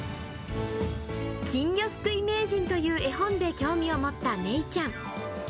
きんぎょすくいめいじんという絵本で興味を持っためいちゃん。